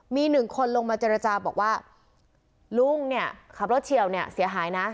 มีหนึ่งคนลงมาเจรจาบอกว่าลุงเนี่ยขับรถเฉียวเนี่ยเสียหายนะ